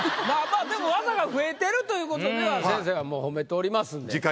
まあまあでも技が増えてるということでは先生はもう褒めてますんで。